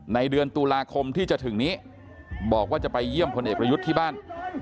เดือนตุลาคมที่จะถึงนี้บอกว่าจะไปเยี่ยมพลเอกประยุทธ์ที่บ้าน